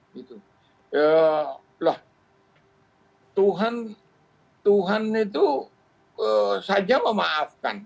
loh tuhan itu saja memaafkan